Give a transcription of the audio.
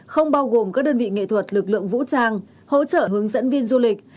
không bao gồm các đơn vị nghệ thuật lực lượng vũ trang hỗ trợ hướng dẫn viên du lịch